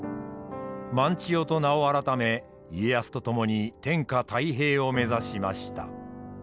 万千代と名を改め家康と共に天下太平を目指しました。